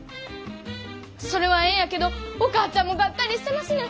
それはええんやけどお母ちゃんもがっかりしてますねん。